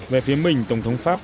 về phía mình tổng thống pháp